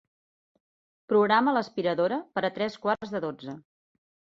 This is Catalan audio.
Programa l'aspiradora per a tres quarts de dotze.